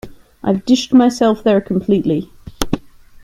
I've dished myself there completely.